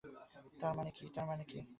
তার মানে কী?